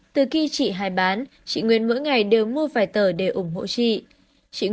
từ khi chị hải bán chị nguyên mỗi ngày đều mua vài tờ để ủng hộ chị